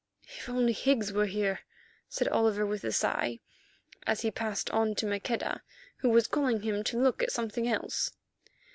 "If only Higgs were here," said Oliver with a sigh, and passed on to Maqueda, who was calling him to look at something else.